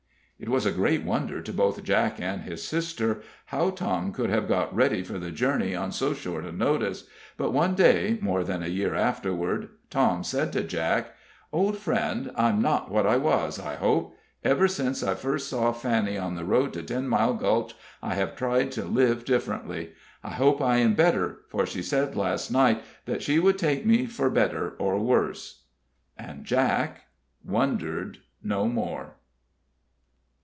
It was a great wonder to both Jack and his sister how Tom could have got ready for the journey on so short a notice; but one day, more than a year afterward, Tom said to Jack: "Old friend, I'm not what I was, I hope. Ever since I first saw Fanny on the road to Ten Mile Gulch, I have tried to live differently. I hope I am better, for she said last night that she would take me for better or worse." And Jack wondered no more.